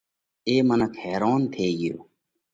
اي منک حيرونَ ٿي ڳيو